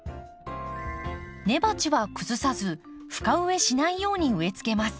根鉢は崩さず深植えしないように植えつけます。